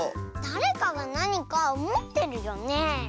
だれかがなにかもってるよね。